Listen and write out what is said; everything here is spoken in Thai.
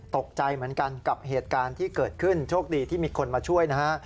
ตกใจเหมือนกันกับเหตุการณ์ที่เกิดขึ้นโชคดีที่มีคนมาช่วยนะฮะ